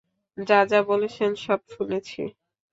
যা বলেছেন সব শুনেছি!